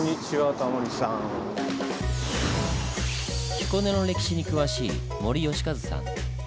彦根の歴史に詳しい母利美和さん。